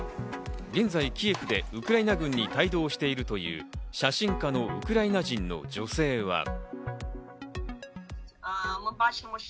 現在キエフでウクライナ軍に帯同しているという写真家のウクライナ人の女性は。